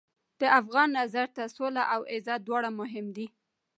د افغان نظر ته سوله او عزت دواړه مهم دي.